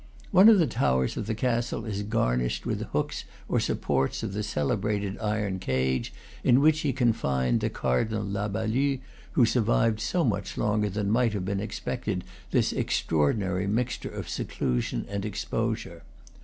One of the towers of the castle is garnished with the hooks or supports of the celebrated iron cage in which he confined the Cardinal La Balue, who survived so much longer than might have been expected this extra ordinary mixture of seclusion and exposure.